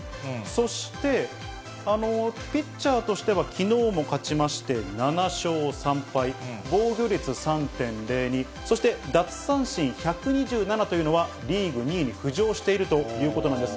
そしてピッチャーとしてはきのうも勝ちまして、７勝３敗、防御率３．０２、そして奪三振１２７というのは、リーグ２位に浮上しているということなんです。